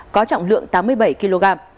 có trọng lượng tám mươi bảy kg